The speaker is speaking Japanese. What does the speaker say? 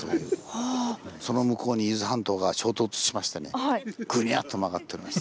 その向こうに伊豆半島が衝突しましてねグニャッと曲がっております。